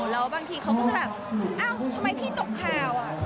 แล้วบางทีเขาก็จะแบบอ้าวทำไมพี่ตกข่าว